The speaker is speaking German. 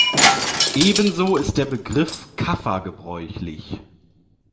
Ebenso ist der Begriff Kaffer gebräuchlich.